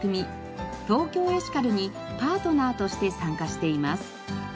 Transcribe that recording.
ＴＯＫＹＯエシカルにパートナーとして参加しています。